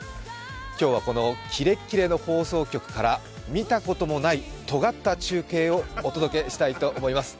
今日はこのキレッキレの放送局から見たこともないとがった中継をお届けしたいと思います。